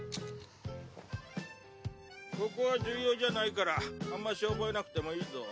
ここは重要じゃないからあんまし覚えなくてもいいぞ。